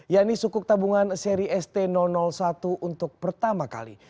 yakni sukuk tabungan seri st satu untuk pertama kali